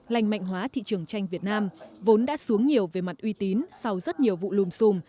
lành mạnh hóa thị trường tranh việt nam vốn đã xuống nhiều về mặt uy tín sau rất nhiều vụ lùm xùm